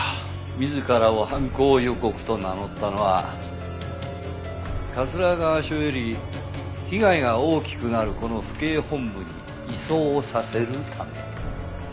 自らを犯行予告と名乗ったのは桂川署より被害が大きくなるこの府警本部に移送をさせるため。